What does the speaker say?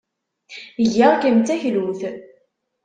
Ggiɣ-kem d taklut.